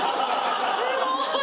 すごい！